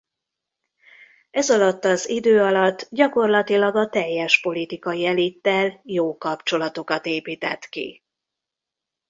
Ez alatt az idő alatt gyakorlatilag a teljes politikai elittel jó kapcsolatokat épített ki.